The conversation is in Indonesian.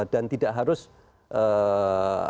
dan tidak harus merasa